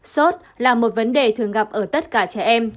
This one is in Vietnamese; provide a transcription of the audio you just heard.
sốt là một vấn đề thường gặp ở tất cả trẻ em